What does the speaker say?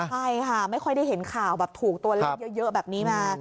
ใช่ค่ะไม่ค่อยได้เห็นข่าวแบบถูกตัวเลขเยอะแบบนี้มา